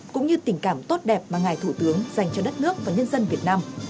cũng như tình cảm tốt đẹp mà ngài thủ tướng dành cho đất nước và nhân dân việt nam